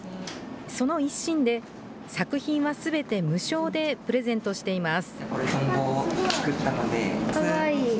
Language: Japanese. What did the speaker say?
その一心で、作品はすべて無償でプレゼントしています。